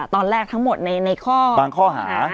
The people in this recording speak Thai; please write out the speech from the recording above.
ตอนแรกทั้งหมดในข้อหา